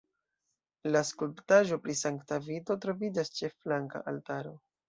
La skulptaĵo pri Sankta Vito troviĝas ĉe la flanka altaro.